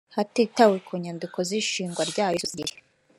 hatitawe ku nyandiko z ishingwa ryayo isosiyete